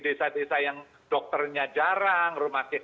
desa desa yang dokternya jarang